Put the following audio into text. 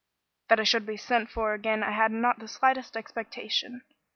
That I should be sent for again I had not the slightest expectation.